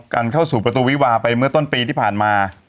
กันเข้าสู่ประตูวิวาไปเมื่อต้นปีที่ผ่านมา